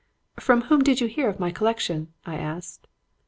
"'From whom did you hear of my collection?' I asked.